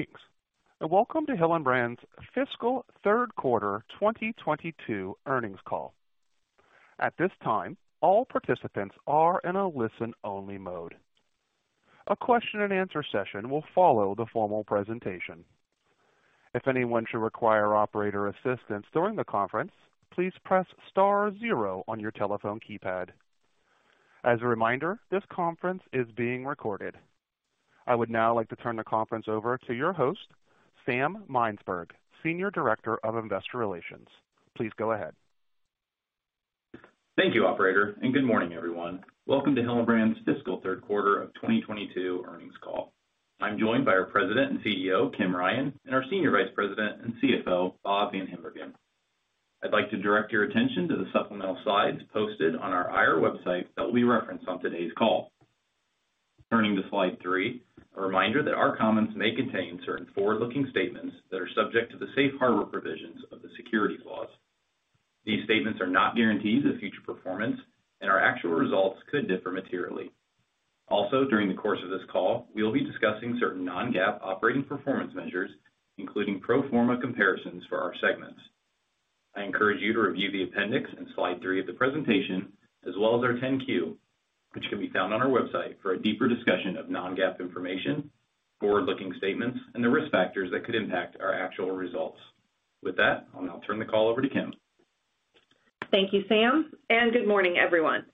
Greetings, and welcome to Hillenbrand's Fiscal Third Quarter 2022 Earnings Call. At this time, all participants are in a listen-only mode. A question and answer session will follow the formal presentation. If anyone should require operator assistance during the conference, please press star zero on your telephone keypad. As a reminder, this conference is being recorded. I would now like to turn the conference over to your host, Sam Mynsberge, Senior Director of Investor Relations. Please go ahead. Thank you, operator, and good morning, everyone. Welcome to Hillenbrand's fiscal third quarter of 2022 earnings call. I'm joined by our president and CEO, Kim Ryan, and our senior vice president and CFO, Bob VanHimbergen. I'd like to direct your attention to the supplemental slides posted on our IR website that we reference on today's call. Turning to slide 3, a reminder that our comments may contain certain forward-looking statements that are subject to the safe harbor provisions of the securities laws. These statements are not guarantees of future performance, and our actual results could differ materially. Also, during the course of this call, we will be discussing certain non-GAAP operating performance measures, including pro forma comparisons for our segments. I encourage you to review the appendix in slide three of the presentation, as well as our 10-Q, which can be found on our website, for a deeper discussion of non-GAAP information, forward-looking statements, and the risk factors that could impact our actual results. With that, I'll now turn the call over to Kim. Thank you, Sam, and good morning, everyone.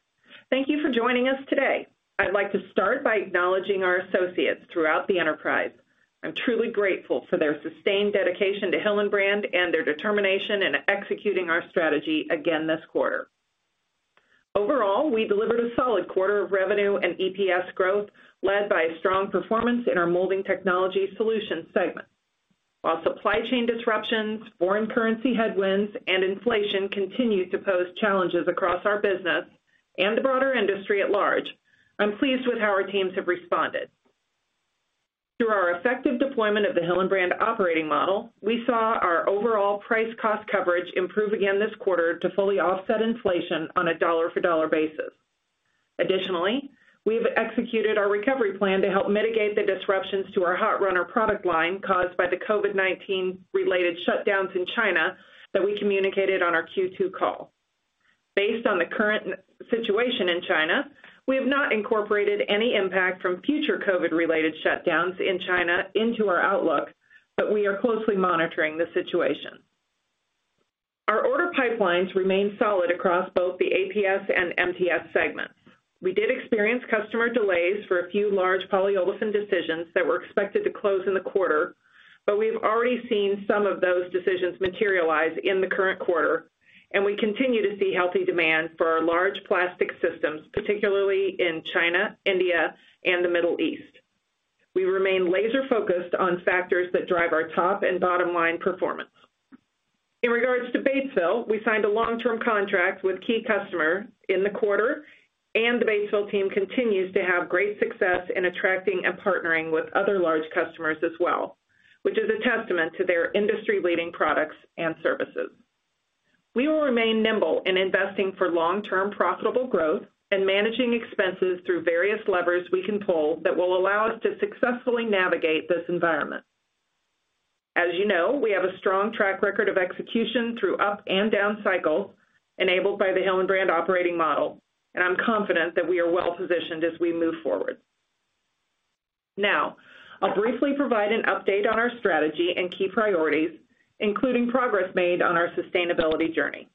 Thank you for joining us today. I'd like to start by acknowledging our associates throughout the enterprise. I'm truly grateful for their sustained dedication to Hillenbrand and their determination in executing our strategy again this quarter. Overall, we delivered a solid quarter of revenue and EPS growth, led by a strong performance in our Molding Technology Solutions segment. While supply chain disruptions, foreign currency headwinds, and inflation continue to pose challenges across our business and the broader industry at large, I'm pleased with how our teams have responded. Through our effective deployment of the Hillenbrand Operating Model, we saw our overall price cost coverage improve again this quarter to fully offset inflation on a dollar-for-dollar basis. Additionally, we have executed our recovery plan to help mitigate the disruptions to our Hot Runner product line caused by the COVID-19-related shutdowns in China that we communicated on our Q2 call. Based on the current situation in China, we have not incorporated any impact from future COVID-related shutdowns in China into our outlook, but we are closely monitoring the situation. Our order pipelines remain solid across both the APS and MTS segments. We did experience customer delays for a few large Polyolefin decisions that were expected to close in the quarter, but we've already seen some of those decisions materialize in the current quarter, and we continue to see healthy demand for our large plastic systems, particularly in China, India, and the Middle East. We remain laser-focused on factors that drive our top and bottom line performance. In regards to Batesville, we signed a long-term contract with key customer in the quarter, and the Batesville team continues to have great success in attracting and partnering with other large customers as well, which is a testament to their industry-leading products and services. We will remain nimble in investing for long-term profitable growth and managing expenses through various levers we can pull that will allow us to successfully navigate this environment. As you know, we have a strong track record of execution through up and down cycles enabled by the Hillenbrand Operating Model, and I'm confident that we are well-positioned as we move forward. Now, I'll briefly provide an update on our strategy and key priorities, including progress made on our sustainability journey.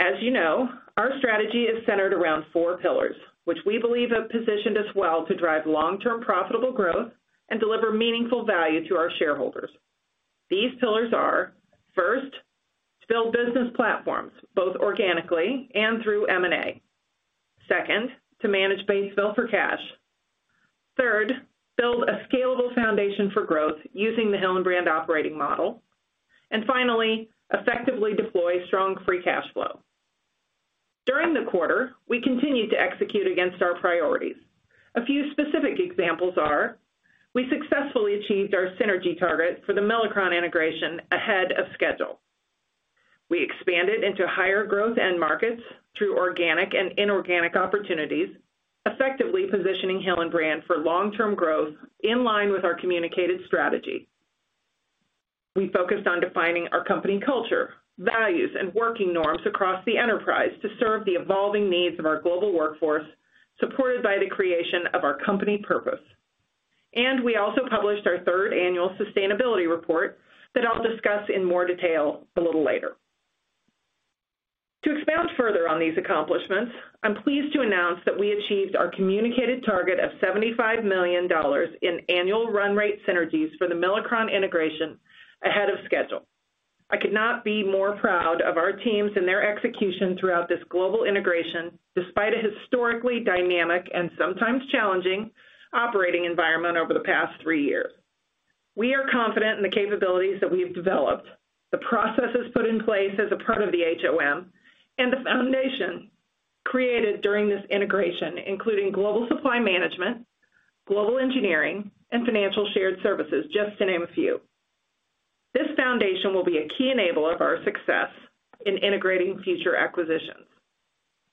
As you know, our strategy is centered around four pillars, which we believe have positioned us well to drive long-term profitable growth and deliver meaningful value to our shareholders. These pillars are, first, to build business platforms, both organically and through M&A. Second, to manage Batesville for cash. Third, build a scalable foundation for growth using the Hillenbrand Operating Model. Finally, effectively deploy strong free cash flow. During the quarter, we continued to execute against our priorities. A few specific examples are. We successfully achieved our synergy target for the Milacron integration ahead of schedule. We expanded into higher growth end markets through organic and inorganic opportunities, effectively positioning Hillenbrand for long-term growth in line with our communicated strategy. We focused on defining our company culture, values, and working norms across the enterprise to serve the evolving needs of our global workforce, supported by the creation of our company purpose. We also published our third annual sustainability report that I'll discuss in more detail a little later. To expound further on these accomplishments, I'm pleased to announce that we achieved our communicated target of $75 million in annual run rate synergies for the Milacron integration ahead of schedule. I could not be more proud of our teams and their execution throughout this global integration, despite a historically dynamic and sometimes challenging operating environment over the past three years. We are confident in the capabilities that we have developed, the processes put in place as a part of the HOM, and the foundation created during this integration, including global supply management, global engineering, and financial shared services, just to name a few. This foundation will be a key enabler of our success in integrating future acquisitions.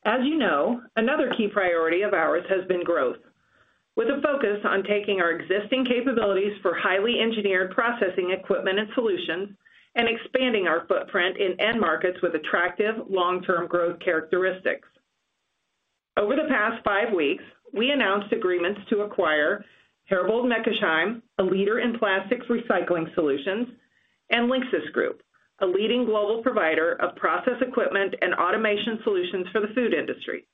As you know, another key priority of ours has been growth, with a focus on taking our existing capabilities for highly engineered processing equipment and solutions and expanding our footprint in end markets with attractive long-term growth characteristics. Over the past five weeks, we announced agreements to acquire Herbold Meckesheim, a leader in plastics recycling solutions, and LINXIS Group, a leading global provider of process equipment and automation solutions for the food industry.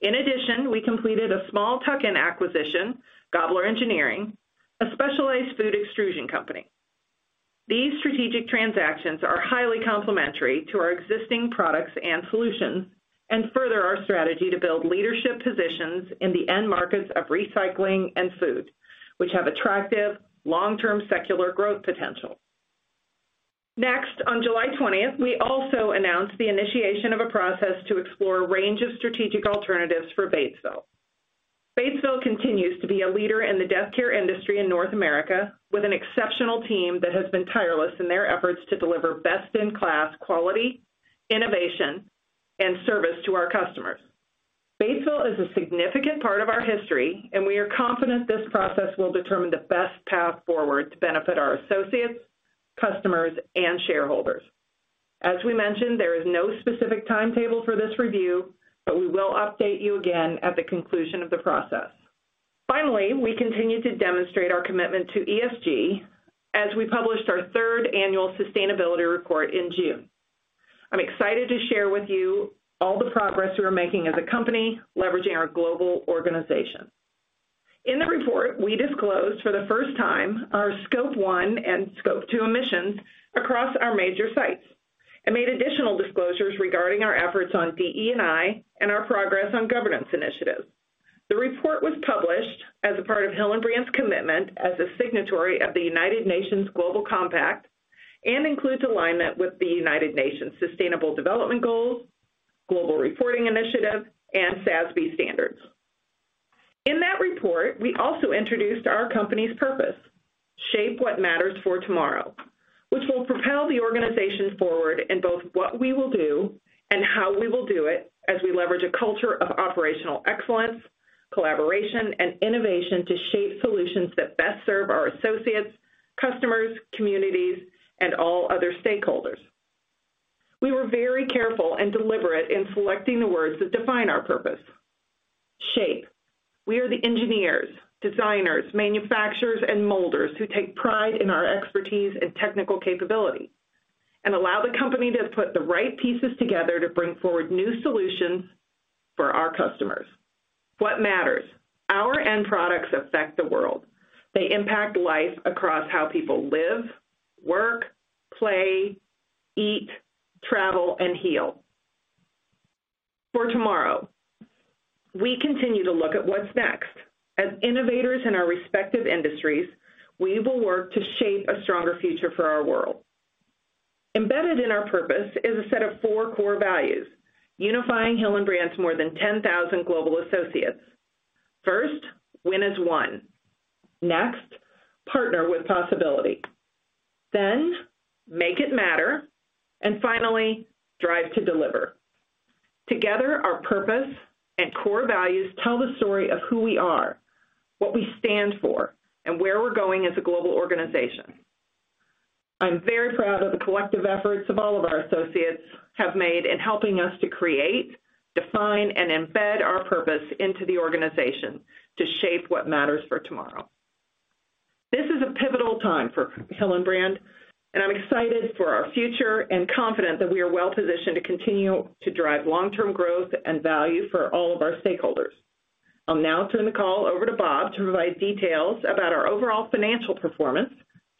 In addition, we completed a small tuck-in acquisition, Gabler Engineering, a specialized food extrusion company. These strategic transactions are highly complementary to our existing products and solutions, and further our strategy to build leadership positions in the end markets of recycling and food, which have attractive long-term secular growth potential. Next, on July 20, we also announced the initiation of a process to explore a range of strategic alternatives for Batesville. Batesville continues to be a leader in the death care industry in North America, with an exceptional team that has been tireless in their efforts to deliver best-in-class quality, innovation, and service to our customers. Batesville is a significant part of our history, and we are confident this process will determine the best path forward to benefit our associates, customers, and shareholders. As we mentioned, there is no specific timetable for this review, but we will update you again at the conclusion of the process. Finally, we continue to demonstrate our commitment to ESG as we published our third annual sustainability report in June. I'm excited to share with you all the progress we are making as a company, leveraging our global organization. In the report, we disclosed for the first time our Scope 1 and Scope 2 emissions across our major sites, and made additional disclosures regarding our efforts on DE&I and our progress on governance initiatives. The report was published as a part of Hillenbrand's commitment as a signatory of the United Nations Global Compact, and includes alignment with the United Nations Sustainable Development Goals, Global Reporting Initiative, and SASB standards. In that report, we also introduced our company's purpose, Shape What Matters For Tomorrow, which will propel the organization forward in both what we will do and how we will do it as we leverage a culture of operational excellence, collaboration, and innovation to shape solutions that best serve our associates, customers, communities, and all other stakeholders. We were very careful and deliberate in selecting the words that define our purpose. Shape: we are the engineers, designers, manufacturers, and molders who take pride in our expertise and technical capability, and allow the company to put the right pieces together to bring forward new solutions for our customers. What matters: our end products affect the world. They impact life across how people live, work, play, eat, travel, and heal. For Tomorrow: we continue to look at what's next. As innovators in our respective industries, we will work to shape a stronger future for our world. Embedded in our purpose is a set of four core values, unifying Hillenbrand's more than 10,000 global associates. First, win as one. Next, partner with possibility. Then make it matter, and finally, drive to deliver. Together our purpose and core values tell the story of who we are, what we stand for, and where we're going as a global organization. I'm very proud of the collective efforts of all of our associates have made in helping us to create, define, and embed our purpose into the organization to Shape What Matters For Tomorrow. This is a pivotal time for Hillenbrand, and I'm excited for our future and confident that we are well-positioned to continue to drive long-term growth and value for all of our stakeholders. I'll now turn the call over to Bob to provide details about our overall financial performance,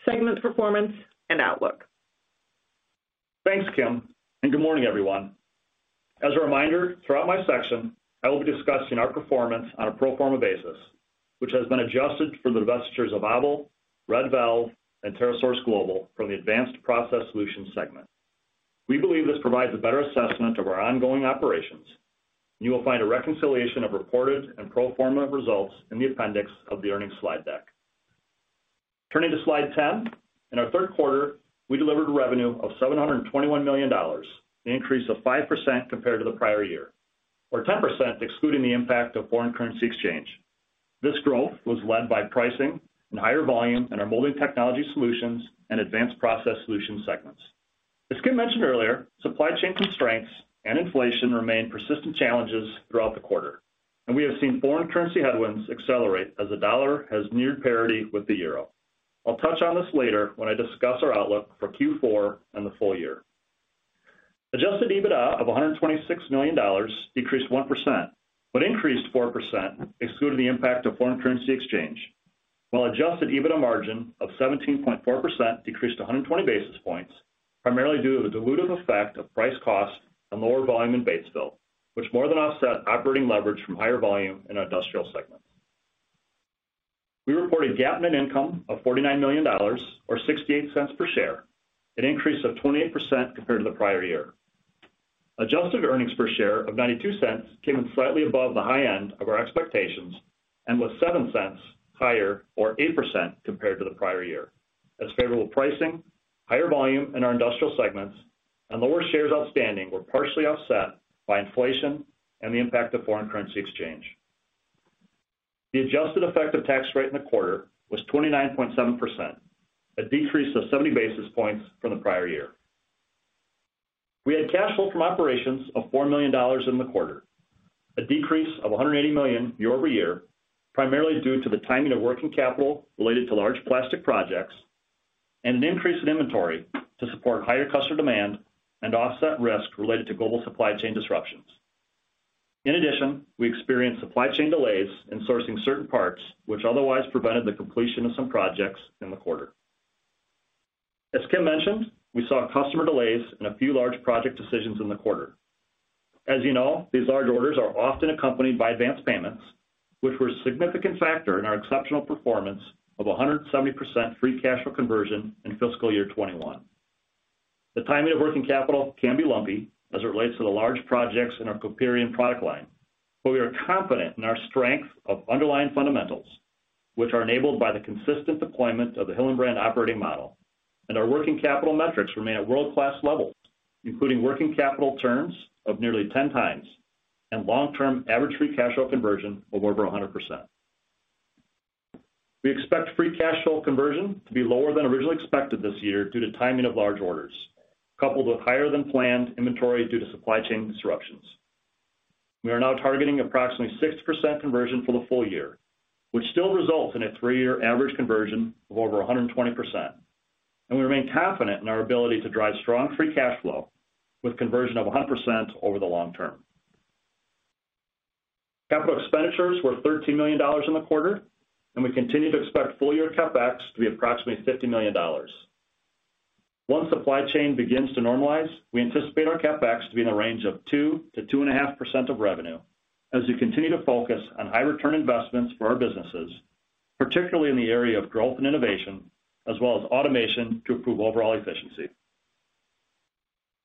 segment performance, and outlook. Thanks, Kim, and good morning, everyone. As a reminder, throughout my section, I will be discussing our performance on a pro forma basis, which has been adjusted for the divestitures of ABEL, Red Valve, and TerraSource Global from the Advanced Process Solutions segment. We believe this provides a better assessment of our ongoing operations. You will find a reconciliation of reported and pro forma results in the appendix of the earnings slide deck. Turning to slide 10, in our third quarter, we delivered revenue of $721 million, an increase of 5% compared to the prior year, or 10% excluding the impact of foreign currency exchange. This growth was led by pricing and higher volume in our Molding Technology Solutions and Advanced Process Solutions segments. As Kim mentioned earlier, supply chain constraints and inflation remained persistent challenges throughout the quarter, and we have seen foreign currency headwinds accelerate as the dollar has neared parity with the euro. I'll touch on this later when I discuss our outlook for Q4 and the full year. Adjusted EBITDA of $126 million decreased 1%, but increased 4% excluding the impact of foreign currency exchange, while adjusted EBITDA margin of 17.4% decreased 120 basis points, primarily due to the dilutive effect of price cost and lower volume in Batesville, which more than offset operating leverage from higher volume in our Industrial segment. We reported GAAP net income of $49 million or $0.68 per share, an increase of 28% compared to the prior year. Adjusted earnings per share of $0.92 came in slightly above the high end of our expectations and was $0.07 higher or 8% compared to the prior year. As favorable pricing, higher volume in our industrial segments, and lower shares outstanding were partially offset by inflation and the impact of foreign currency exchange. The adjusted effective tax rate in the quarter was 29.7%, a decrease of 70 basis points from the prior year. We had cash flow from operations of $4 million in the quarter, a decrease of $180 million year-over-year, primarily due to the timing of working capital related to large plastic projects and an increase in inventory to support higher customer demand and offset risk related to global supply chain disruptions. In addition, we experienced supply chain delays in sourcing certain parts, which otherwise prevented the completion of some projects in the quarter. As Kim mentioned, we saw customer delays in a few large project decisions in the quarter. As you know, these large orders are often accompanied by advanced payments, which were a significant factor in our exceptional performance of 170% free cash flow conversion in fiscal year 2021. The timing of working capital can be lumpy as it relates to the large projects in our Coperion product line, but we are confident in our strength of underlying fundamentals, which are enabled by the consistent deployment of the Hillenbrand Operating Model. Our working capital metrics remain at world-class levels, including working capital terms of nearly 10 times and long-term average free cash flow conversion of over 100%. We expect free cash flow conversion to be lower than originally expected this year due to timing of large orders, coupled with higher than planned inventory due to supply chain disruptions. We are now targeting approximately 6% conversion for the full year, which still results in a three-year average conversion of over 120%, and we remain confident in our ability to drive strong free cash flow with conversion of 100% over the long term. Capital expenditures were $13 million in the quarter, and we continue to expect full-year CapEx to be approximately $50 million. Once supply chain begins to normalize, we anticipate our CapEx to be in the range of 2%-2.5% of revenue as we continue to focus on high return investments for our businesses, particularly in the area of growth and innovation, as well as automation to improve overall efficiency.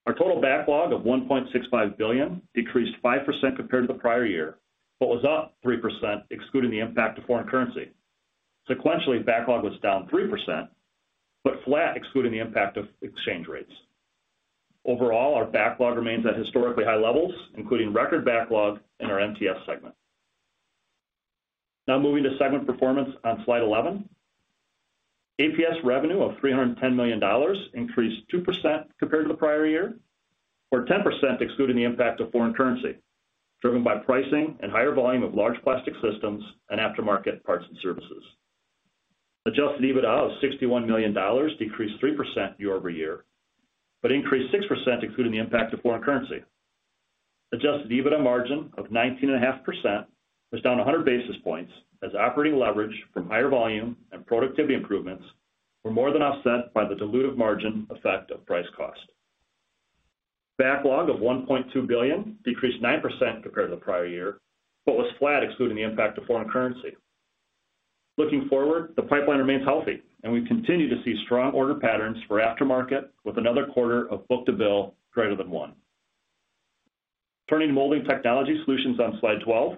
Our total backlog of $1.65 billion decreased 5% compared to the prior year, but was up 3% excluding the impact of foreign currency. Sequentially, backlog was down 3%, but flat excluding the impact of exchange rates. Overall, our backlog remains at historically high levels, including record backlog in our MTS segment. Now moving to segment performance on slide 11. APS revenue of $310 million increased 2% compared to the prior year or 10% excluding the impact of foreign currency, driven by pricing and higher volume of large plastic systems and aftermarket parts and services. Adjusted EBITDA of $61 million decreased 3% year over year, but increased 6% excluding the impact of foreign currency. Adjusted EBITDA margin of 19.5% was down 100 basis points as operating leverage from higher volume and productivity improvements were more than offset by the dilutive margin effect of price cost. Backlog of $1.2 billion decreased 9% compared to the prior year, but was flat excluding the impact of foreign currency. Looking forward, the pipeline remains healthy, and we continue to see strong order patterns for aftermarket with another quarter of book-to-bill greater than 1. Turning to Molding Technology Solutions on slide 12.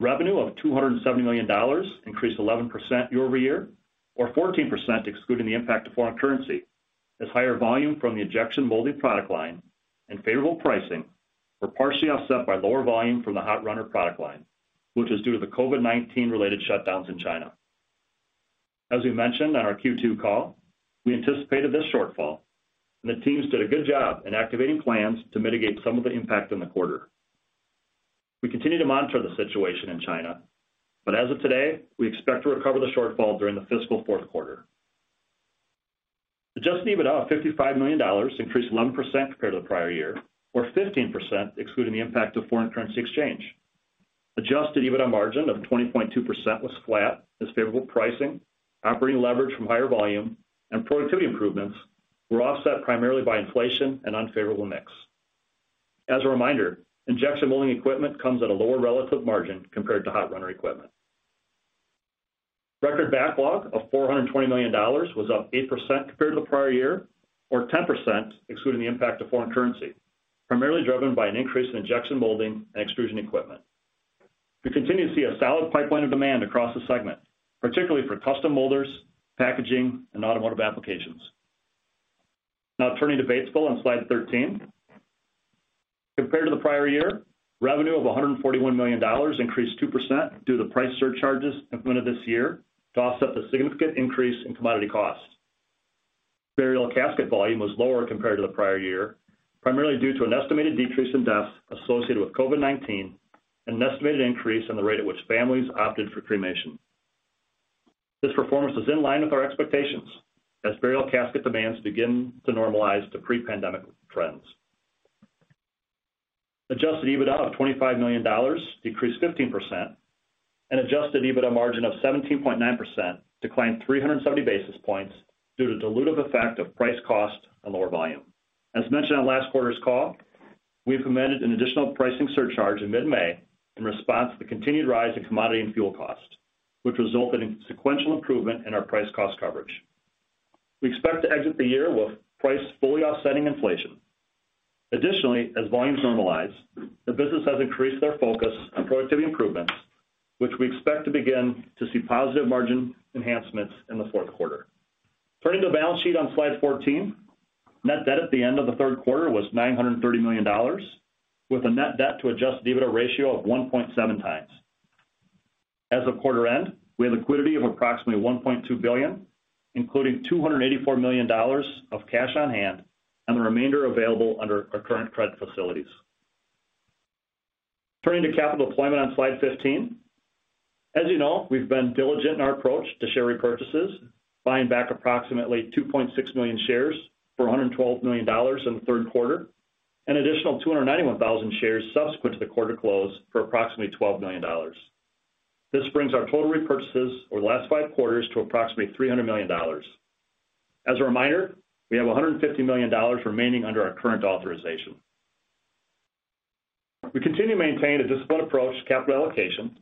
Revenue of $270 million increased 11% year-over-year or 14% excluding the impact of foreign currency as higher volume from the injection molding product line and favorable pricing were partially offset by lower volume from the Hot Runner product line, which was due to the COVID-19 related shutdowns in China. As we mentioned on our Q2 call, we anticipated this shortfall, and the teams did a good job in activating plans to mitigate some of the impact in the quarter. We continue to monitor the situation in China, but as of today, we expect to recover the shortfall during the fiscal fourth quarter. Adjusted EBITDA of $55 million increased 11% compared to the prior year or 15% excluding the impact of foreign currency exchange. Adjusted EBITDA margin of 20.2% was flat as favorable pricing, operating leverage from higher volume, and productivity improvements were offset primarily by inflation and unfavorable mix. As a reminder, injection molding equipment comes at a lower relative margin compared to Hot Runner equipment. Record backlog of $420 million was up 8% compared to the prior year or 10% excluding the impact of foreign currency, primarily driven by an increase in injection molding and extrusion equipment. We continue to see a solid pipeline of demand across the segment, particularly for custom molders, packaging, and automotive applications. Now turning to Batesville on slide 13. Compared to the prior year, revenue of $141 million increased 2% due to price surcharges implemented this year to offset the significant increase in commodity costs. Burial casket volume was lower compared to the prior year, primarily due to an estimated decrease in deaths associated with COVID-19 and an estimated increase in the rate at which families opted for cremation. This performance was in line with our expectations as burial casket demands begin to normalize to pre-pandemic trends. Adjusted EBITDA of $25 million decreased 15% and adjusted EBITDA margin of 17.9% declined 370 basis points due to dilutive effect of price cost and lower volume. As mentioned on last quarter's call, we implemented an additional pricing surcharge in mid-May in response to the continued rise in commodity and fuel costs, which resulted in sequential improvement in our price cost coverage. We expect to exit the year with price fully offsetting inflation. Additionally, as volumes normalize, the business has increased their focus on productivity improvements, which we expect to begin to see positive margin enhancements in the fourth quarter. Turning to the balance sheet on Slide 14. Net debt at the end of the third quarter was $930 million, with a net debt to adjusted EBITDA ratio of 1.7 times. As of quarter end, we have liquidity of approximately $1.2 billion, including $284 million of cash on hand and the remainder available under our current credit facilities. Turning to capital deployment on Slide 15. As you know, we've been diligent in our approach to share repurchases, buying back approximately 2.6 million shares for $112 million in the third quarter, an additional 291,000 shares subsequent to the quarter close for approximately $12 million. This brings our total repurchases over the last 5 quarters to approximately $300 million. As a reminder, we have $150 million remaining under our current authorization. We continue to maintain a disciplined approach to capital allocation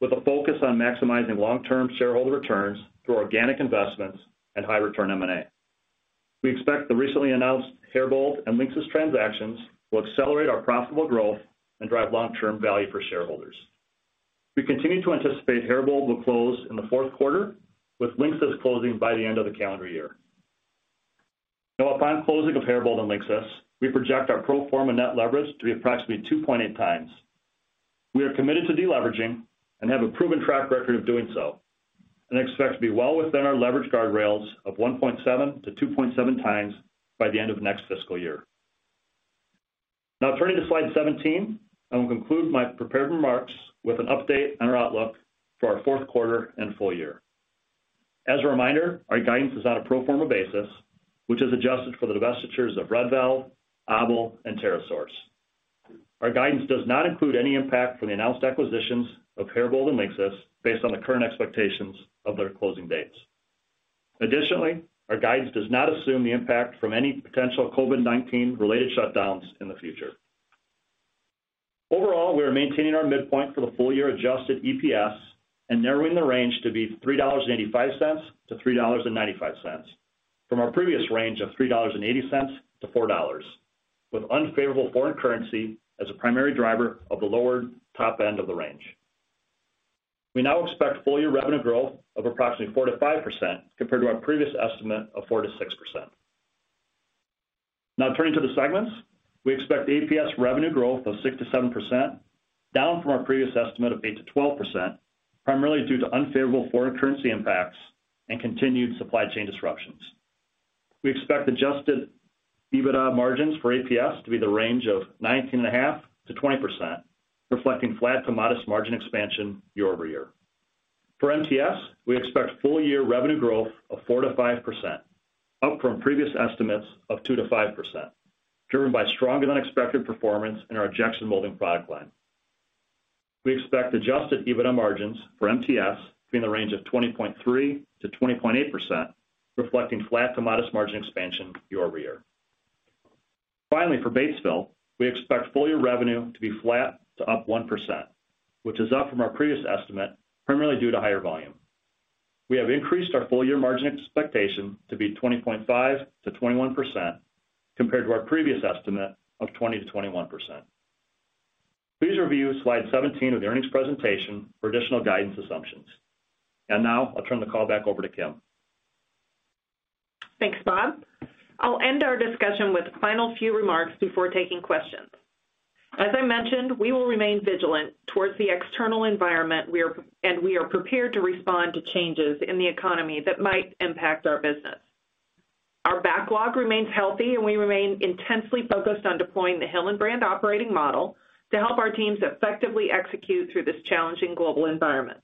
with a focus on maximizing long-term shareholder returns through organic investments and high return M&A. We expect the recently announced Herbold and LINXIS transactions will accelerate our profitable growth and drive long-term value for shareholders. We continue to anticipate Herbold will close in the fourth quarter, with LINXIS closing by the end of the calendar year. Now upon closing of Herbold and LINXIS, we project our pro forma net leverage to be approximately 2.8 times. We are committed to deleveraging and have a proven track record of doing so, and expect to be well within our leverage guardrails of 1.7-2.7 times by the end of next fiscal year. Now turning to Slide 17, I will conclude my prepared remarks with an update on our outlook for our fourth quarter and full year. As a reminder, our guidance is on a pro forma basis, which is adjusted for the divestitures of Red Valve, ABEL and TerraSource. Our guidance does not include any impact from the announced acquisitions of Herbold and LINXIS based on the current expectations of their closing dates. Additionally, our guidance does not assume the impact from any potential COVID-19 related shutdowns in the future. Overall, we are maintaining our midpoint for the full year adjusted EPS and narrowing the range to be $3.85-$3.95 from our previous range of $3.80-$4.00, with unfavorable foreign currency as a primary driver of the lower top end of the range. We now expect full year revenue growth of approximately 4%-5% compared to our previous estimate of 4%-6%. Now turning to the segments. We expect APS revenue growth of 6%-7%, down from our previous estimate of 8%-12%, primarily due to unfavorable foreign currency impacts and continued supply chain disruptions. We expect adjusted EBITDA margins for APS to be in the range of 19.5%-20%, reflecting flat to modest margin expansion year over year. For MTS, we expect full year revenue growth of 4%-5%, up from previous estimates of 2%-5%, driven by stronger than expected performance in our injection molding product line. We expect adjusted EBITDA margins for MTS to be in the range of 20.3%-20.8%, reflecting flat to modest margin expansion year over year. Finally, for Batesville, we expect full year revenue to be flat to up 1%, which is up from our previous estimate, primarily due to higher volume. We have increased our full year margin expectation to be 20.5%-21% compared to our previous estimate of 20%-21%. Please review Slide 17 of the earnings presentation for additional guidance assumptions. Now I'll turn the call back over to Kim. Thanks, Bob. I'll end our discussion with final few remarks before taking questions. As I mentioned, we will remain vigilant towards the external environment, and we are prepared to respond to changes in the economy that might impact our business. Our backlog remains healthy, and we remain intensely focused on deploying the Hillenbrand Operating Model to help our teams effectively execute through this challenging global environment.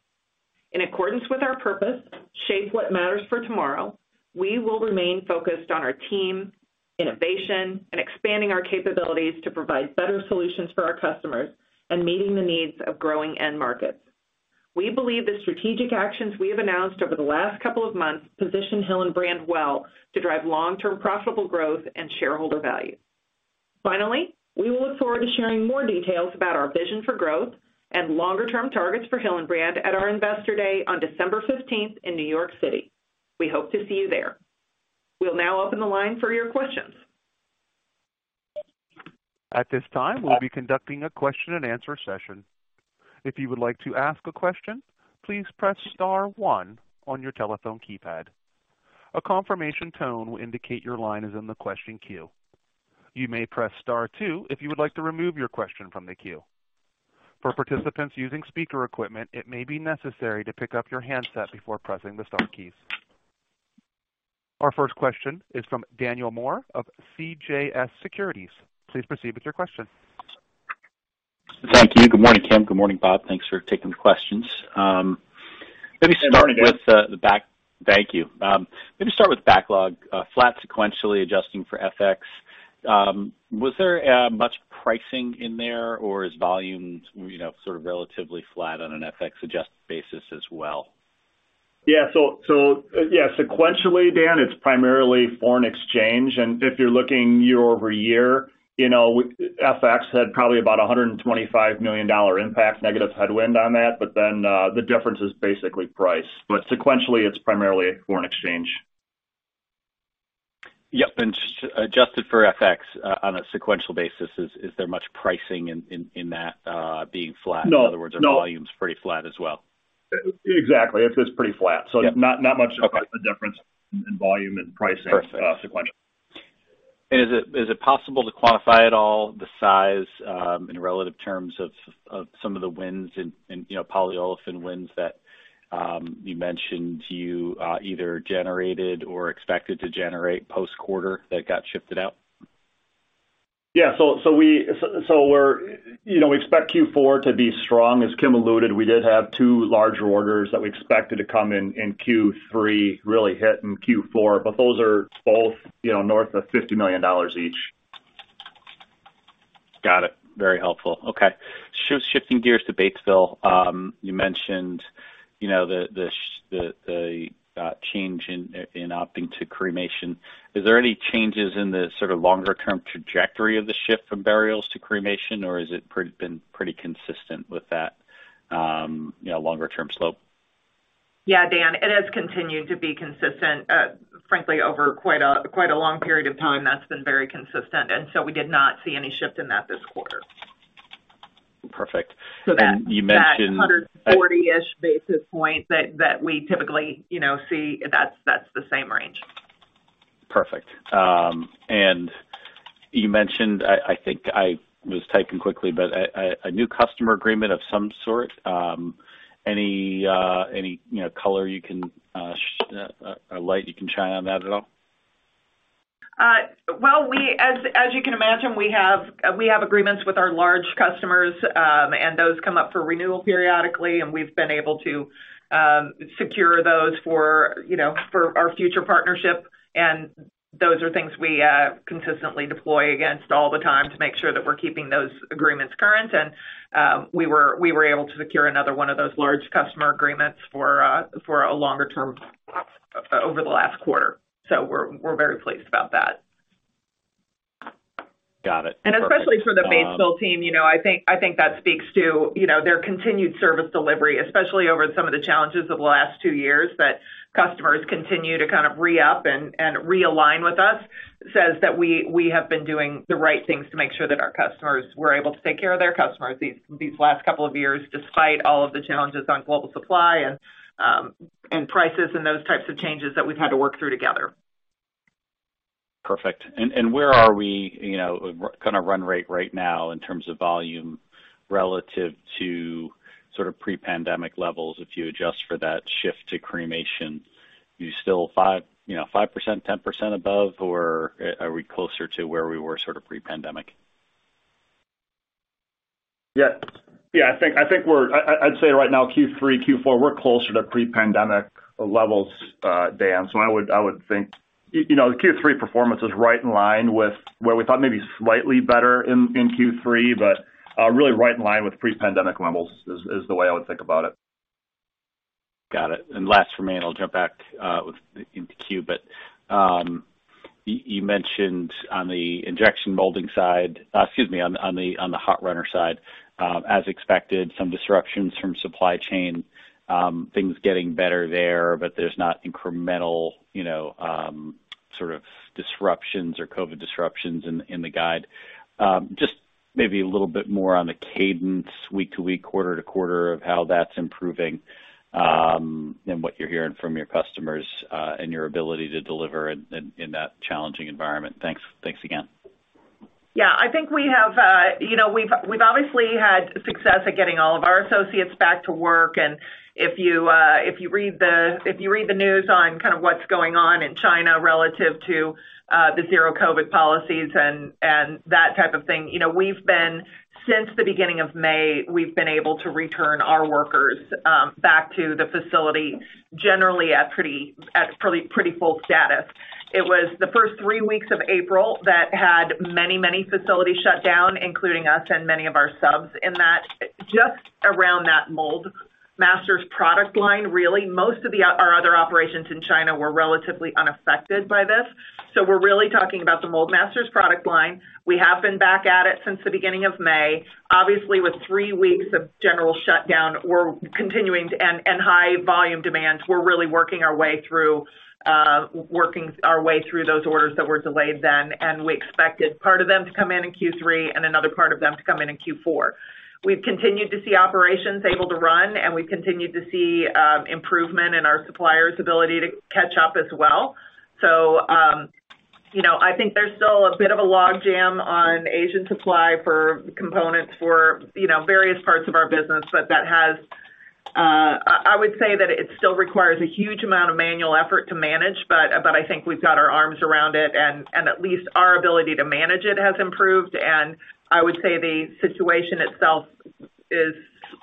In accordance with our purpose, Shape What Matters For Tomorrow, we will remain focused on our team, innovation and expanding our capabilities to provide better solutions for our customers and meeting the needs of growing end markets. We believe the strategic actions we have announced over the last couple of months position Hillenbrand well to drive long-term profitable growth and shareholder value. Finally, we will look forward to sharing more details about our vision for growth and longer-term targets for Hillenbrand at our Investor Day on December fifteenth in New York City. We hope to see you there. We'll now open the line for your questions. At this time, we'll be conducting a question and answer session. If you would like to ask a question, please press star one on your telephone keypad. A confirmation tone will indicate your line is in the question queue. You may press star two if you would like to remove your question from the queue. For participants using speaker equipment, it may be necessary to pick up your handset before pressing the star keys. Our first question is from Daniel Moore of CJS Securities. Please proceed with your question. Thank you. Good morning, Kim. Good morning, Bob. Thanks for taking the questions. Let me start with the back- Good morning, Dan. Thank you. Let me start with backlog, flat sequentially adjusting for FX. Was there much pricing in there or is volume, you know, sort of relatively flat on an FX adjusted basis as well? Sequentially, Dan, it's primarily foreign exchange. If you're looking year-over-year, you know, FX had probably about a $125 million impact negative headwind on that. The difference is basically price. Sequentially, it's primarily foreign exchange. Yep. Adjusted for FX, on a sequential basis, is there much pricing in that being flat? No. In other words, are volumes pretty flat as well? Exactly. It's pretty flat. Yeah. Not much of a difference in volume and pricing. Perfect sequential. Is it possible to quantify at all the size in relative terms of some of the wins and, you know, polyolefin wins that you either generated or expected to generate post-quarter that got shifted out? We're, you know, we expect Q4 to be strong. As Kim alluded, we did have two large orders that we expected to come in in Q3, really hit in Q4, but those are both, you know, north of $50 million each. Got it. Very helpful. Okay. Shifting gears to Batesville. You mentioned, you know, the change in opting to cremation. Is there any changes in the sort of longer term trajectory of the shift from burials to cremation, or has it been pretty consistent with that, you know, longer term slope? Yeah, Dan, it has continued to be consistent. Frankly, over quite a long period of time, that's been very consistent. We did not see any shift in that this quarter. Perfect. So that- You mentioned-... that 140-ish basis point that we typically, you know, see, that's the same range. Perfect. You mentioned, I think I was typing quickly, but a new customer agreement of some sort. Any, you know, color you can light you can shine on that at all? Well, as you can imagine, we have agreements with our large customers, and those come up for renewal periodically, and we've been able to secure those for, you know, for our future partnership. Those are things we consistently deploy against all the time to make sure that we're keeping those agreements current. We were able to secure another one of those large customer agreements for a longer term over the last quarter. We're very pleased about that. Got it. Especially for the Batesville team, you know, I think that speaks to, you know, their continued service delivery, especially over some of the challenges of the last two years, that customers continue to kind of re-up and realign with us. That says that we have been doing the right things to make sure that our customers were able to take care of their customers these last couple of years, despite all of the challenges on global supply and prices and those types of changes that we've had to work through together. Perfect. Where are we, you know, kind of run rate right now in terms of volume relative to sort of pre-pandemic levels if you adjust for that shift to cremation? You still 5, you know, 5%-10% above, or are we closer to where we were sort of pre-pandemic? Yeah, I'd say right now, Q3, Q4, we're closer to pre-pandemic levels, Dan. I would think you know, the Q3 performance was right in line with where we thought maybe slightly better in Q3, but really right in line with pre-pandemic levels is the way I would think about it. Got it. Last for me, and I'll jump back into queue. You mentioned on the injection molding side, excuse me, on the Hot Runner side, as expected, some disruptions from supply chain, things getting better there, but there's not incremental, you know, sort of disruptions or COVID disruptions in the guide. Just maybe a little bit more on the cadence week to week, quarter to quarter of how that's improving, and what you're hearing from your customers, and your ability to deliver in that challenging environment. Thanks. Thanks again. Yeah. I think we have, you know, we've obviously had success at getting all of our associates back to work. If you read the news on kind of what's going on in China relative to the zero-COVID policies and that type of thing, you know, we've been, since the beginning of May, able to return our workers back to the facility, generally at pretty full status. It was the first three weeks of April that had many facilities shut down, including us and many of our subs in that, just around that Mold-Masters product line. Most of our other operations in China were relatively unaffected by this. We're really talking about the Mold-Masters product line. We have been back at it since the beginning of May. Obviously, with three weeks of general shutdown, high volume demands, we're really working our way through those orders that were delayed then. We expected part of them to come in in Q3 and another part of them to come in in Q4. We've continued to see operations able to run, and we've continued to see improvement in our suppliers' ability to catch up as well. You know, I think there's still a bit of a log jam on Asian supply for components for you know various parts of our business. That has, I would say that it still requires a huge amount of manual effort to manage, but I think we've got our arms around it and at least our ability to manage it has improved. I would say the situation itself is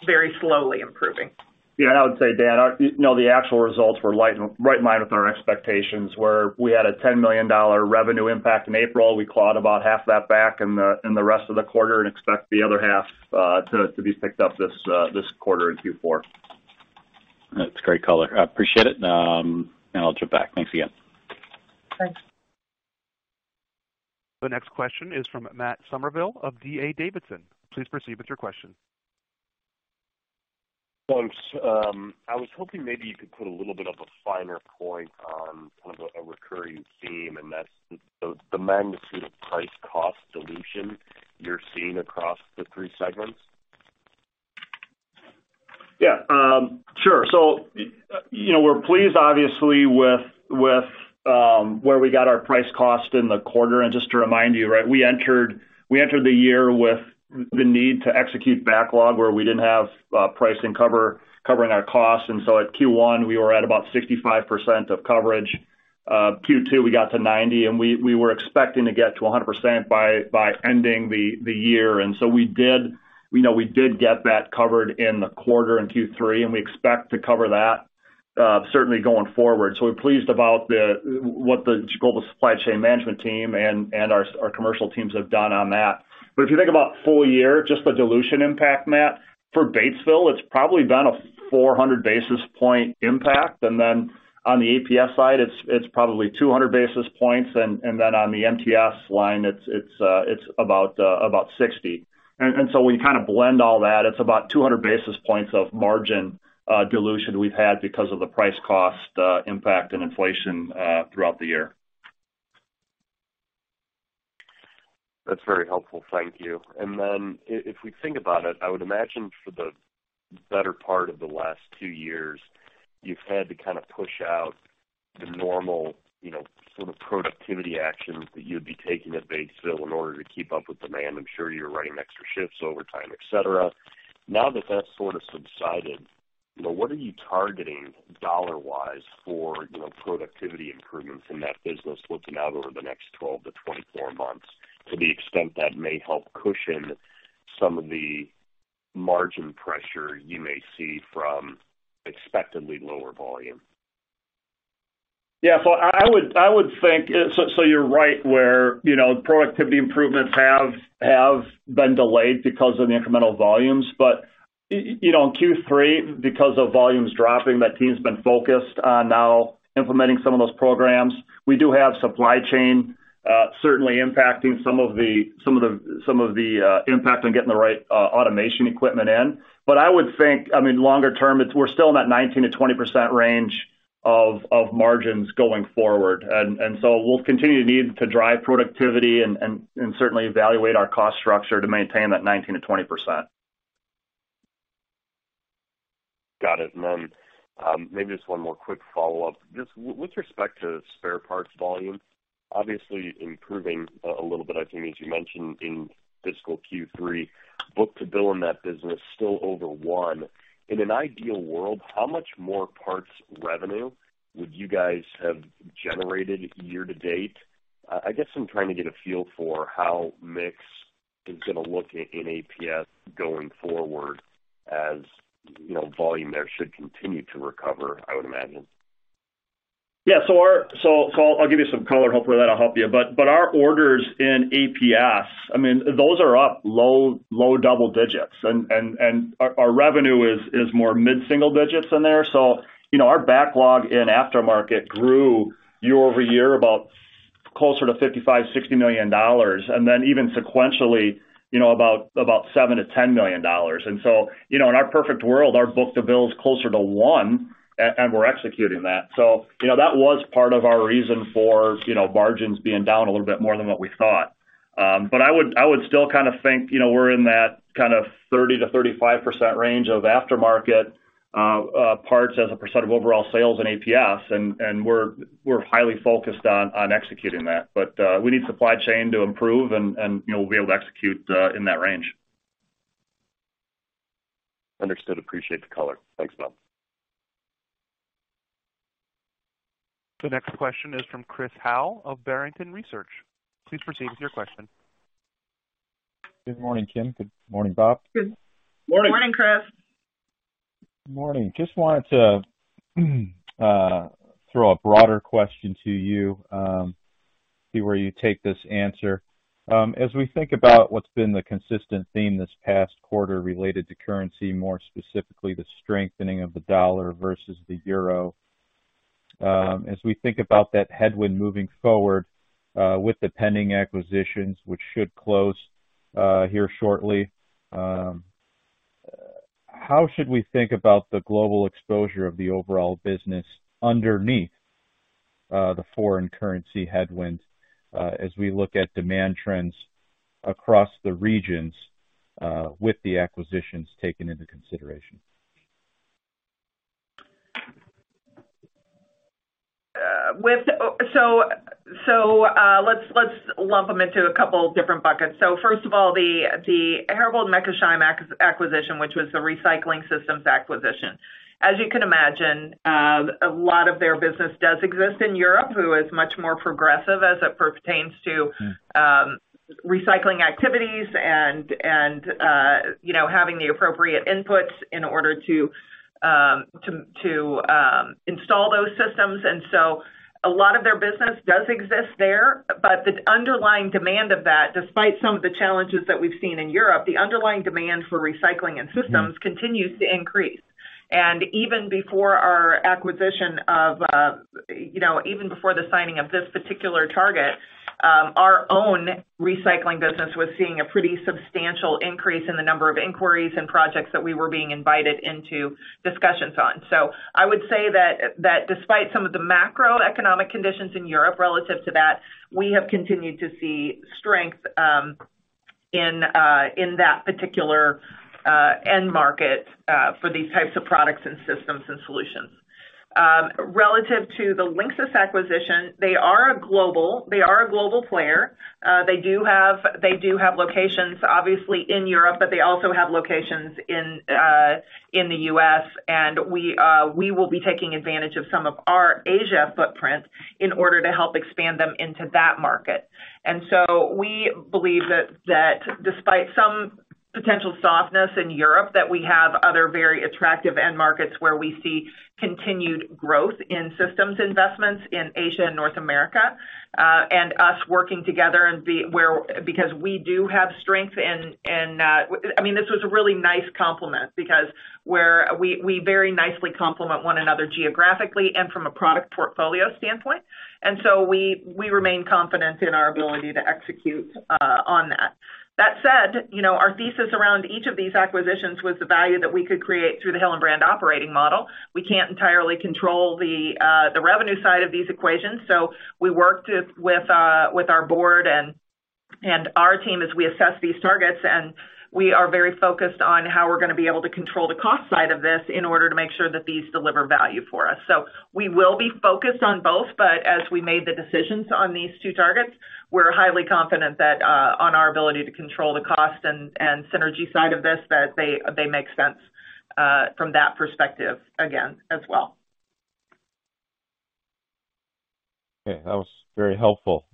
very slowly improving. Yeah. I would say, Dan, our you know the actual results were right in line with our expectations, where we had a $10 million revenue impact in April. We clawed about half that back in the rest of the quarter and expect the other half to be picked up this quarter in Q4. That's great color. I appreciate it. I'll jump back. Thanks again. Thanks. The next question is from Matt Summerville of D.A. Davidson. Please proceed with your question. Thanks. I was hoping maybe you could put a little bit of a finer point on kind of a recurring theme, and that's the magnitude of price cost dilution you're seeing across the three segments. Yeah. Sure. You know, we're pleased obviously with where we got our price cost in the quarter. Just to remind you, right? We entered the year with the need to execute backlog where we didn't have pricing covering our costs. At Q1, we were at about 65% of coverage. Q2, we got to 90, and we were expecting to get to 100% by ending the year. We did get that covered in the quarter in Q3, and we expect to cover that certainly going forward. We're pleased about what the global supply chain management team and our commercial teams have done on that. If you think about full year, just the dilution impact, Matt. For Batesville, it's probably been a 400 basis point impact. On the APS side, it's probably 200 basis points. On the MTS line, it's about 60. When you kind of blend all that, it's about 200 basis points of margin dilution we've had because of the price cost impact and inflation throughout the year. That's very helpful. Thank you. If we think about it, I would imagine for the better part of the last two years, you've had to kind of push out the normal, you know, sort of productivity actions that you'd be taking at Batesville in order to keep up with demand. I'm sure you're running extra shifts, overtime, et cetera. Now that that's sort of subsided, you know, what are you targeting dollar-wise for, you know, productivity improvements in that business looking out over the next 12-24 months, to the extent that may help cushion some of the margin pressure you may see from expectedly lower volume? I would think. You're right where, you know, productivity improvements have been delayed because of the incremental volumes. You know, in Q3, because of volumes dropping, that team's been focused on now implementing some of those programs. We do have supply chain certainly impacting some of the impact on getting the right automation equipment in. I would think, I mean, longer term, we're still in that 19%-20% range of margins going forward. We'll continue to need to drive productivity and certainly evaluate our cost structure to maintain that 19%-20%. Got it. Maybe just one more quick follow-up. Just with respect to spare parts volume, obviously improving a little bit, I think, as you mentioned in fiscal Q3, book-to-bill in that business still over 1. In an ideal world, how much more parts revenue would you guys have generated year to date? I guess I'm trying to get a feel for how mix is gonna look in APS going forward as, you know, volume there should continue to recover, I would imagine. Yeah. I'll give you some color. Hopefully, that'll help you. Our orders in APS, I mean, those are up low double digits, and our revenue is more mid-single digits in there. You know, our backlog in aftermarket grew year-over-year about closer to $55-$60 million. Then even sequentially, you know, about $7-$10 million. You know, in our perfect world, our book-to-bill is closer to one, and we're executing that. You know, that was part of our reason for, you know, margins being down a little bit more than what we thought. I would still kind of think, you know, we're in that kind of 30%-35% range of aftermarket parts as a % of overall sales in APS, and we're highly focused on executing that. We need supply chain to improve and, you know, we'll be able to execute in that range. Understood. Appreciate the color. Thanks, Bob. The next question is from Chris Howe of Barrington Research. Please proceed with your question. Good morning, Kim. Good morning, Bob. Good morning. Morning, Chris. Morning. Just wanted to throw a broader question to you, see where you take this answer. As we think about what's been the consistent theme this past quarter related to currency, more specifically the strengthening of the dollar versus the euro, as we think about that headwind moving forward, with the pending acquisitions which should close here shortly, how should we think about the global exposure of the overall business underneath the foreign currency headwind, as we look at demand trends across the regions, with the acquisitions taken into consideration? Let's lump them into a couple different buckets. First of all, the Herbold Meckesheim acquisition, which was the recycling systems acquisition. As you can imagine, a lot of their business does exist in Europe, who is much more progressive as it pertains to recycling activities and, you know, having the appropriate inputs in order to install those systems. A lot of their business does exist there. The underlying demand of that, despite some of the challenges that we've seen in Europe, the underlying demand for recycling and systems continues to increase. Even before the signing of this particular target, our own recycling business was seeing a pretty substantial increase in the number of inquiries and projects that we were being invited into discussions on. I would say that despite some of the macroeconomic conditions in Europe relative to that, we have continued to see strength in that particular end market for these types of products and systems and solutions. Relative to the LINXIS acquisition, they are a global player. They do have locations, obviously, in Europe, but they also have locations in the U.S, and we will be taking advantage of some of our Asia footprint in order to help expand them into that market. We believe that despite some potential softness in Europe, that we have other very attractive end markets where we see continued growth in systems investments in Asia and North America, and us working together because we do have strength in. I mean, this was a really nice complement because we very nicely complement one another geographically and from a product portfolio standpoint. We remain confident in our ability to execute on that. That said, you know, our thesis around each of these acquisitions was the value that we could create through the Hillenbrand Operating Model. We can't entirely control the revenue side of these equations, so we worked with our board and our team as we assess these targets, and we are very focused on how we're gonna be able to control the cost side of this in order to make sure that these deliver value for us. We will be focused on both, but as we made the decisions on these two targets, we're highly confident that in our ability to control the cost and synergy side of this, that they make sense from that perspective again as well. Okay. That was very helpful.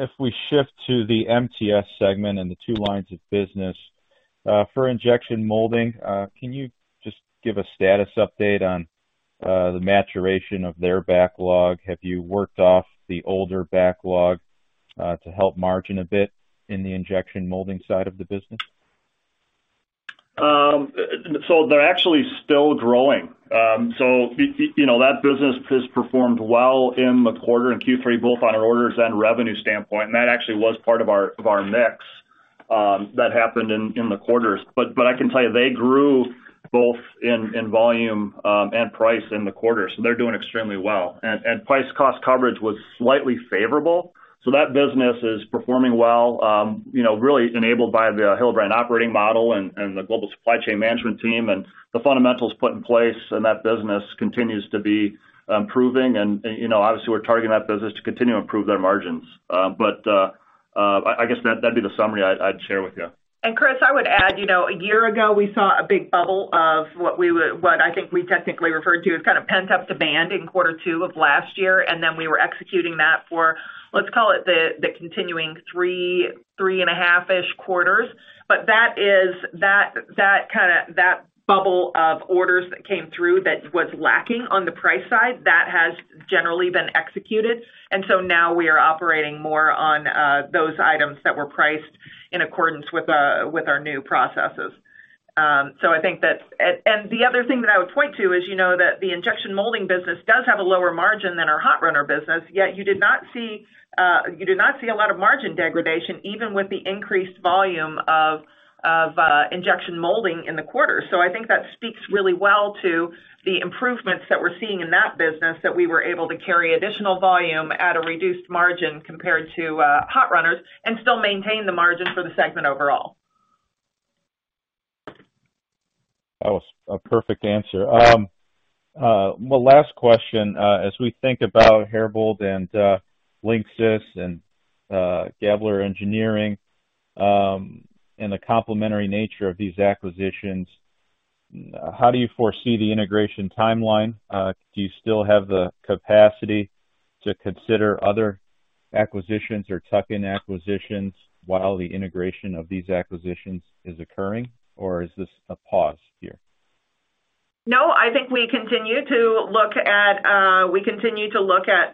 If we shift to the MTS segment and the two lines of business, for injection molding, can you just give a status update on the maturation of their backlog? Have you worked off the older backlog, to help margin a bit in the injection molding side of the business? They're actually still growing. You know, that business has performed well in the quarter, in Q3, both on orders and revenue standpoint. That actually was part of our mix that happened in the quarters. I can tell you, they grew both in volume and price in the quarter. They're doing extremely well. Price cost coverage was slightly favorable. That business is performing well, you know, really enabled by the Hillenbrand Operating Model and the global supply chain management team and the fundamentals put in place. That business continues to be improving. You know, obviously, we're targeting that business to continue to improve their margins. I guess that'd be the summary I'd share with you. Chris, I would add, you know, a year ago, we saw a big bubble of what I think we technically referred to as kind of pent-up demand in quarter two of last year, and then we were executing that for, let's call it the continuing three and a half-ish quarters. That bubble of orders that came through that was lacking on the price side, that has generally been executed. Now we are operating more on those items that were priced in accordance with our new processes. I think that's. The other thing that I would point to is, you know, that the injection molding business does have a lower margin than our hot runner business, yet you did not see a lot of margin degradation, even with the increased volume of injection molding in the quarter. I think that speaks really well to the improvements that we're seeing in that business that we were able to carry additional volume at a reduced margin compared to hot runners and still maintain the margin for the segment overall. That was a perfect answer. My last question, as we think about Herbold and LINXIS and Gabler Engineering, and the complementary nature of these acquisitions, how do you foresee the integration timeline? Do you still have the capacity to consider other acquisitions or tuck-in acquisitions while the integration of these acquisitions is occurring? Or is this a pause here? No, I think we continue to look at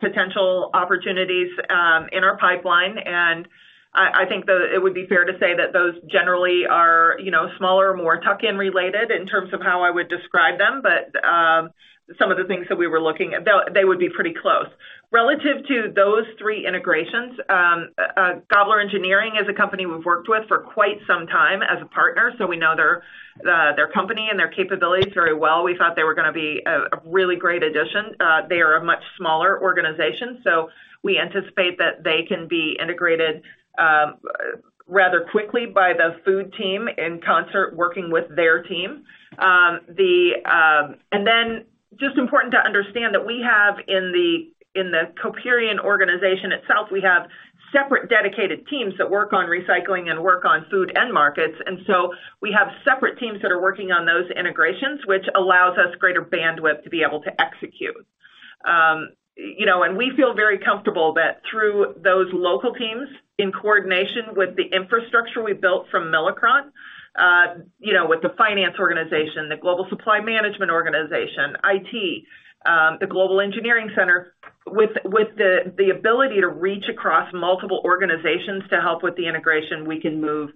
potential opportunities in our pipeline. I think that it would be fair to say that those generally are, you know, smaller, more tuck-in related in terms of how I would describe them. Some of the things that we were looking at, they would be pretty close. Relative to those three integrations, Gabler Engineering is a company we've worked with for quite some time as a partner, so we know their company and their capabilities very well. We thought they were gonna be a really great addition. They are a much smaller organization, so we anticipate that they can be integrated rather quickly by the food team in concert working with their team. Just important to understand that we have in the Coperion organization itself, we have separate dedicated teams that work on recycling and work on food end markets. We have separate teams that are working on those integrations, which allows us greater bandwidth to be able to execute. You know, and we feel very comfortable that through those local teams, in coordination with the infrastructure we built from Milacron, you know, with the finance organization, the global supply management organization, IT, the global engineering center with the ability to reach across multiple organizations to help with the integration, we can move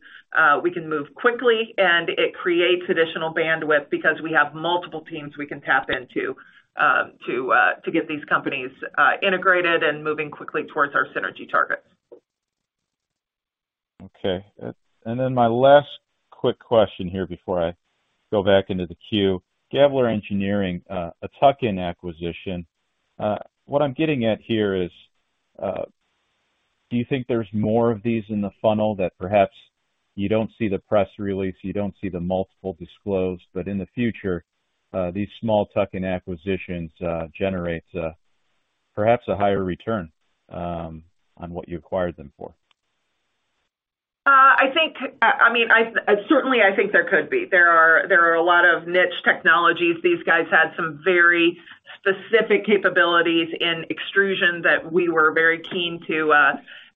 quickly and it creates additional bandwidth because we have multiple teams we can tap into, to get these companies integrated and moving quickly towards our synergy targets. Okay. My last quick question here before I go back into the queue. Gabler Engineering, a tuck-in acquisition. What I'm getting at here is, do you think there's more of these in the funnel that perhaps you don't see the press release, you don't see the multiple disclosed, but in the future, these small tuck-in acquisitions generates, perhaps a higher return, on what you acquired them for? Certainly, I think there could be. There are a lot of niche technologies. These guys had some very specific capabilities in extrusion that we were very keen to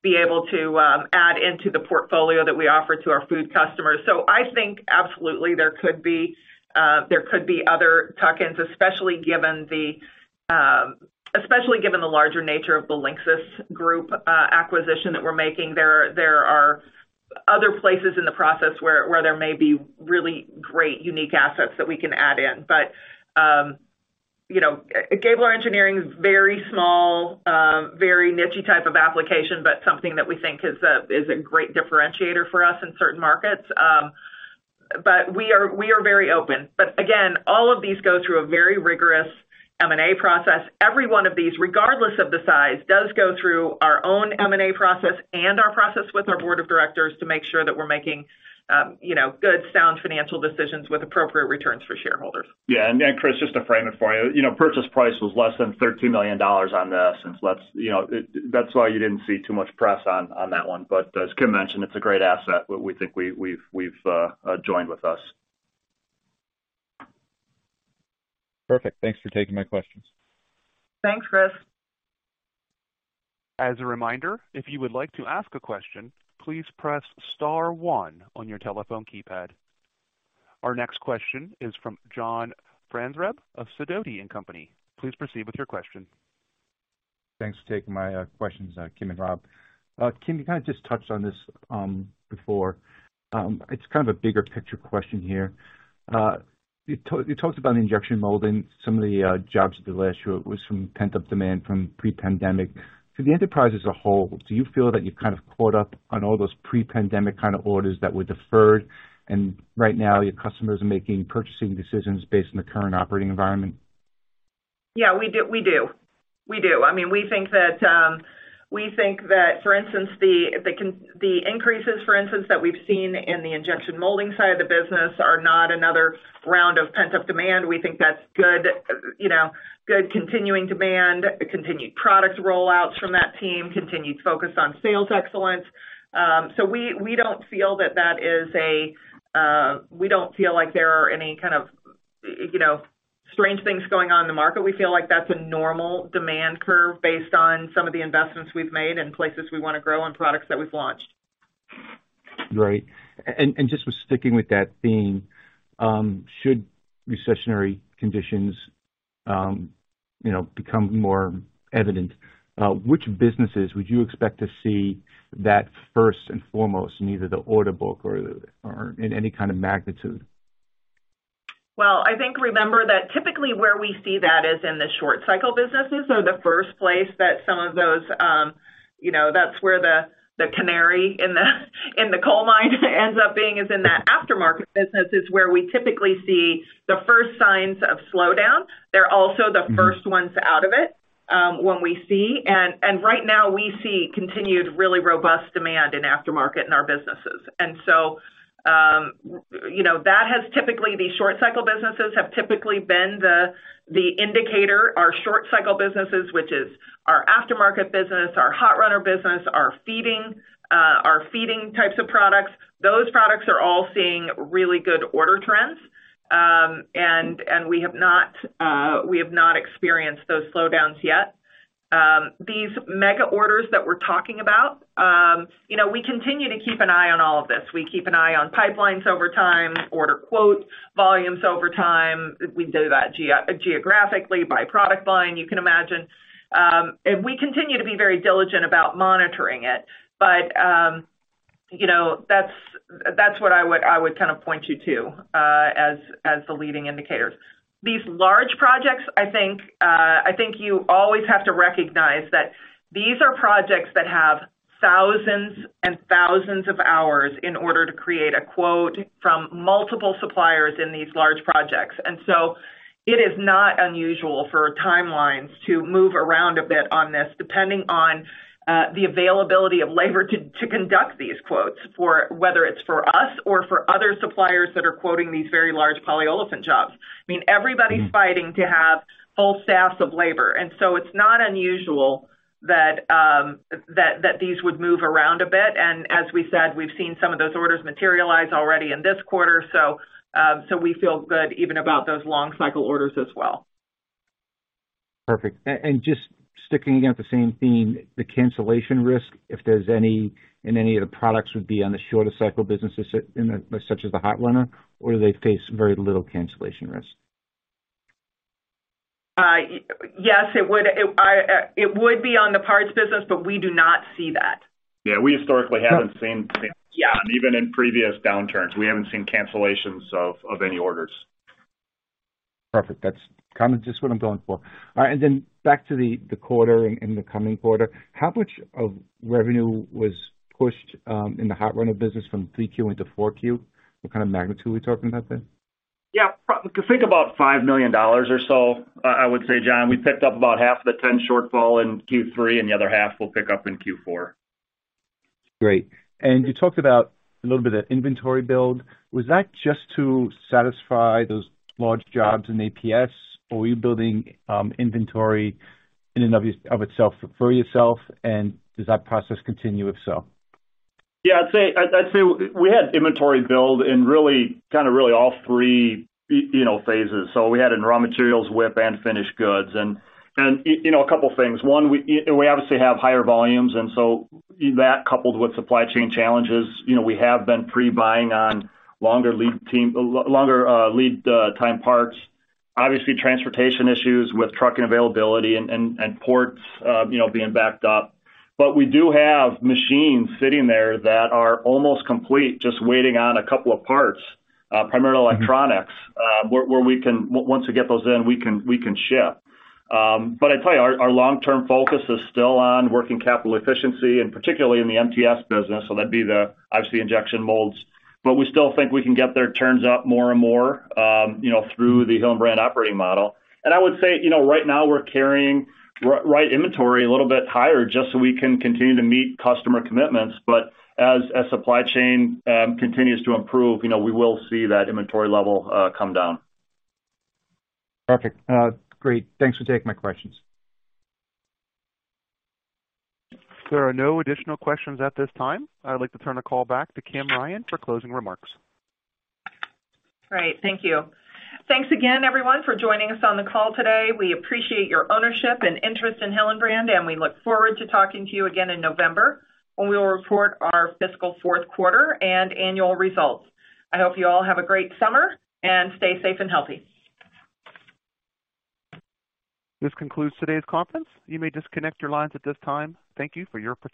be able to add into the portfolio that we offer to our food customers. I think absolutely there could be other tuck-ins, especially given the larger nature of the LINXIS Group acquisition that we're making. There are other places in the process where there may be really great, unique assets that we can add in. You know, Gabler Engineering is very small, very niche-y type of application, but something that we think is a great differentiator for us in certain markets. We are very open. Again, all of these go through a very rigorous M&A process. Every one of these, regardless of the size, does go through our own M&A process and our process with our board of directors to make sure that we're making, you know, good, sound financial decisions with appropriate returns for shareholders. Yeah. Chris, just to frame it for you know, purchase price was less than $13 million on this. Let's, you know. That's why you didn't see too much press on that one. As Kim mentioned, it's a great asset we think we've joined with us. Perfect. Thanks for taking my questions. Thanks, Chris. As a reminder, if you would like to ask a question, please press star one on your telephone keypad. Our next question is from John Franzerb of Sidoti & Company. Please proceed with your question. Thanks for taking my questions, Kim and Rob. Kim, you kinda just touched on this before. It's kind of a bigger picture question here. You talked about injection molding. Some of the jobs of the last year was from pent-up demand from pre-pandemic. For the enterprise as a whole, do you feel that you're kind of caught up on all those pre-pandemic kind of orders that were deferred, and right now your customers are making purchasing decisions based on the current operating environment? Yeah, we do. I mean, we think that for instance, the increases, for instance, that we've seen in the injection molding side of the business are not another round of pent-up demand. We think that's good, you know, good continuing demand, continued product rollouts from that team, continued focus on sales excellence. We don't feel like there are any kind of, you know, strange things going on in the market. We feel like that's a normal demand curve based on some of the investments we've made and places we wanna grow and products that we've launched. Great. Just with sticking with that theme, should recessionary conditions, you know, become more evident, which businesses would you expect to see that first and foremost in either the order book or in any kind of magnitude? Well, I think remember that typically where we see that is in the short cycle businesses. The first place that some of those, you know, that's where the canary in the coal mine ends up being is in that aftermarket businesses where we typically see the first signs of slowdown. They're also the first ones out of it when we see. Right now we see continued really robust demand in aftermarket in our businesses. You know, that has typically, the short cycle businesses have typically been the indicator. Our short cycle businesses, which is our aftermarket business, our Hot Runner business, our feeding types of products, those products are all seeing really good order trends. We have not experienced those slowdowns yet. These mega orders that we're talking about, you know, we continue to keep an eye on all of this. We keep an eye on pipelines over time, order quotes, volumes over time. We do that geographically by product line, you can imagine. We continue to be very diligent about monitoring it. You know, that's what I would kind of point you to as the leading indicators. These large projects, I think, you always have to recognize that these are projects that have thousands and thousands of hours in order to create a quote from multiple suppliers in these large projects. It is not unusual for timelines to move around a bit on this, depending on the availability of labor to conduct these quotes for whether it's for us or for other suppliers that are quoting these very large polyolefin jobs. I mean, everybody's fighting to have full staffs of labor, and it's not unusual that these would move around a bit. As we said, we've seen some of those orders materialize already in this quarter. We feel good even about those long cycle orders as well. Perfect. Just sticking to the same theme, the cancellation risk, if there's any in any of the products, would be on the shorter cycle businesses such as the Hot Runner, or they face very little cancellation risk? Yes, it would. It would be on the parts business, but we do not see that. Yeah, we historically haven't seen. Yeah. Even in previous downturns, we haven't seen cancellations of any orders. Perfect. That's kind of just what I'm going for. All right. Back to the quarter and the coming quarter. How much of revenue was pushed in the Hot Runner business from 3Q into 4Q? What kind of magnitude are we talking about there? Think about $5 million or so, I would say, John. We picked up about half of the $10 million shortfall in Q3, and the other half we'll pick up in Q4. Great. You talked about a little bit of inventory build. Was that just to satisfy those large jobs in APS or were you building inventory in and of itself for yourself? Does that process continue, if so? I'd say we had inventory build in really all three, you know, phases. We had in raw materials, WIP, and finished goods. You know, a couple things. One, we obviously have higher volumes, and so that coupled with supply chain challenges, you know, we have been pre-buying on longer lead time parts. Obviously, transportation issues with trucking availability and ports, you know, being backed up. We do have machines sitting there that are almost complete, just waiting on a couple of parts, primarily electronics, where once we get those in, we can ship. I'd tell you, our long-term focus is still on working capital efficiency and particularly in the MTS business. That'd be, obviously, injection molds. We still think we can get their turns up more and more, you know, through the Hillenbrand Operating Model. I would say, you know, right now we're carrying right inventory a little bit higher just so we can continue to meet customer commitments. As supply chain continues to improve, you know, we will see that inventory level come down. Perfect. Great. Thanks for taking my questions. There are no additional questions at this time. I'd like to turn the call back to Kim Ryan for closing remarks. Great. Thank you. Thanks again, everyone, for joining us on the call today. We appreciate your ownership and interest in Hillenbrand, and we look forward to talking to you again in November when we will report our fiscal fourth quarter and annual results. I hope you all have a great summer and stay safe and healthy. This concludes today's conference. You may disconnect your lines at this time. Thank you for your participation.